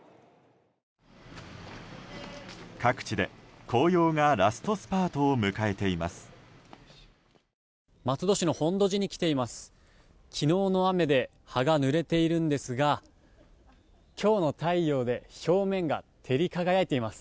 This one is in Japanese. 各地で紅葉がラストスパートを迎えています。